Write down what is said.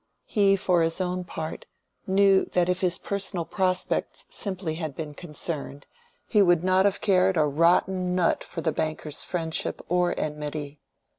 He for his own part knew that if his personal prospects simply had been concerned, he would not have cared a rotten nut for the banker's friendship or enmity.